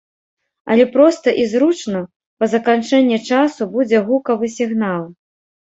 Але проста і зручна, па заканчэнні часу будзе гукавы сігнал.